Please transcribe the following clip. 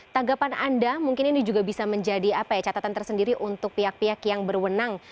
tanggapan anda mungkin ini juga bisa menjadi catatan tersendiri untuk pihak pihak yang berwenang